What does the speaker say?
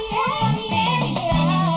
tapi enak dari kue strobel